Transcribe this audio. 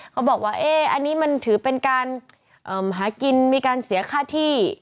เขาบอกว่าอันนี้มันถือเป็นการหากินมีการเสียค่าที่